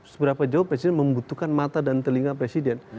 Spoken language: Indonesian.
seberapa jauh presiden membutuhkan mata dan telinga presiden